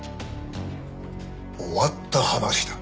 終わった話だ。